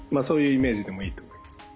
そういうイメージでもいいと思います。